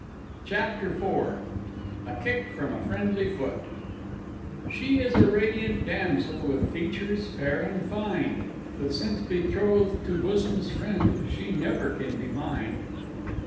CHAPTER IV A KICK FROM A FRIENDLY FOOT She is a radiant damsel with features fair and fine; But since betrothed to Bosom's friend she never can be mine!